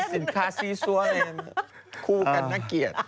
อย่างนั้นคู่กันน่าเกลียด